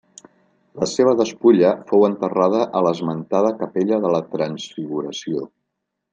La seva despulla fou enterrada a l'esmentada capella de la Transfiguració.